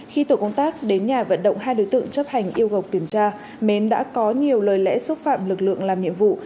khi tổ công tác đến nhà vận động hai đối tượng chấp hành yêu cầu kiểm tra mến đã có nhiều lời lẽ xúc phạm lực lượng làm nhiệm vụ